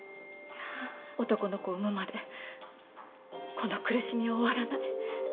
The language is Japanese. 男の子を産むまでこの苦しみは終わらない。